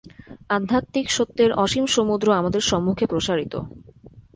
আধ্যাত্মিক সত্যের অসীম সমুদ্র আমাদের সম্মুখে প্রসারিত।